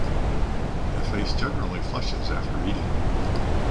The face generally flushes after eating.